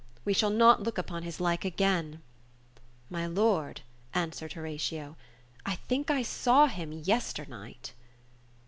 We shall not look upon his like again." "My lord," answered Horatio, "I think I saw him yesternight."